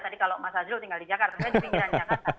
tadi kalau mas azrul tinggal di jakarta saya di pinggiran jakarta